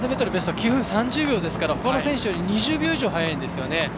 ベスト９分３０秒ですからほかの選手よりも２０秒以上速いんですよね。